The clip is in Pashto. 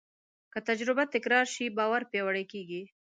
که تجربه تکرار شي، باور پیاوړی کېږي.